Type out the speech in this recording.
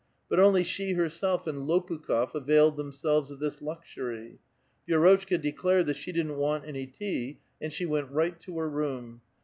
But only she herself and Ix>pukli6f availed themselves of this luxury. Vi6rotchka declared that she didn't want any tea, and she went right to her room.